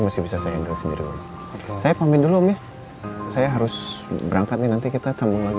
masih bisa saya ingat sendiri saya panggil dulu om ya saya harus berangkat nih nanti kita sambung lagi